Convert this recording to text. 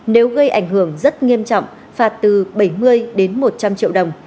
nếu gây ảnh hưởng rất nghiêm trọng phạt từ bảy mươi đến một trăm linh triệu đồng